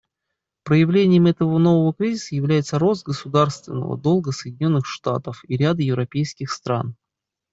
Проявлением этого нового кризиса является рост государственного долга Соединенных Штатов и ряда европейских стран.